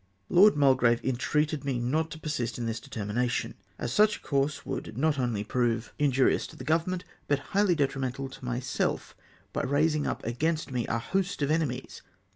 Lord Mulgrave entreated me not to persist in this determination, as such a course would not only prove D D 2 404 RESOLVE TO OPPOSE THE VOTE injurious to tlie Government, but liiglily detrimental to myself, by raising up against me a host of enemies.